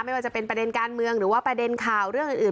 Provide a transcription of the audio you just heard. ไม่ว่าจะเป็นประเด็นการเมืองหรือว่าประเด็นข่าวเรื่องอื่น